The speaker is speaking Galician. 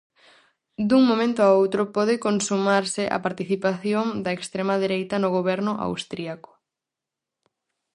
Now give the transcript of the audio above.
Dun momento a outro pode consumarse a participación da extrema dereita no goberno austríaco.